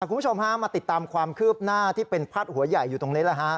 คุณผู้ชมฮะมาติดตามความคืบหน้าที่เป็นพาดหัวใหญ่อยู่ตรงนี้แหละฮะ